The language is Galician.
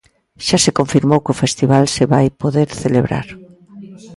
Xa se confirmou que o festival se vai poder celebrar.